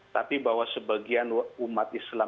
tapi bahwa sebagian umat islam